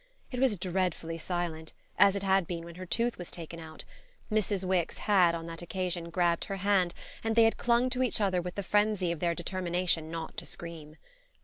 It was dreadfully silent, as it had been when her tooth was taken out; Mrs. Wix had on that occasion grabbed her hand and they had clung to each other with the frenzy of their determination not to scream.